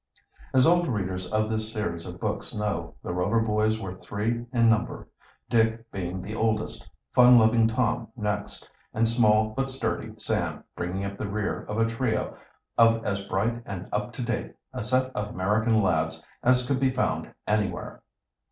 As old readers of this series of books know, the Rover boys were three in number, Dick being the oldest, fun loving Tom next, and small but sturdy Sam bringing up the rear of a trio of as bright and up to date a set of American lads as could be found anywhere.